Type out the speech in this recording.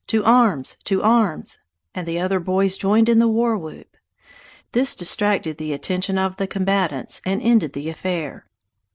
To arms! to arms!" and the other boys joined in the war whoop. This distracted the attention of the combatants and ended the affair.